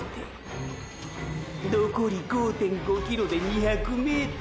のこり５．５ｋｍで２００ｍ！！